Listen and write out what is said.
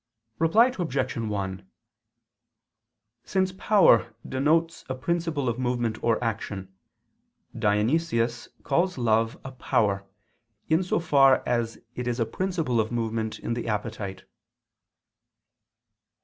Reply Obj. 1: Since power denotes a principle of movement or action, Dionysius calls love a power, in so far as it is a principle of movement in the appetite.